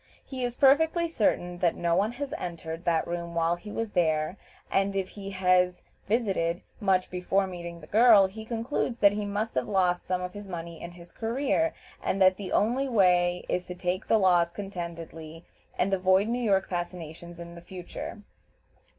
He is perfectly certain that no one has entered that room while he was there, and if he has "visited" much before meeting the girl, he concludes that he must have lost some of his money in his career, and that the only way is to take the loss contentedly, and avoid New York fascinations in future.